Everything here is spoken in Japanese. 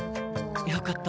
よかった。